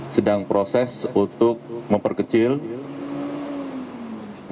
sedang proses untuk memperkecil